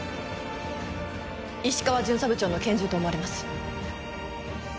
石川巡査部長の拳銃と思われます。